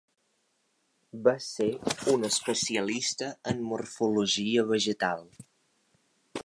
Va ser un especialista en morfologia vegetal.